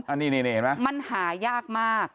อันนี้มันหายากมาก